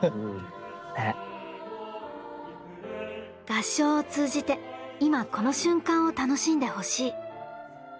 「合唱を通じて『今この瞬間』を楽しんでほしい」。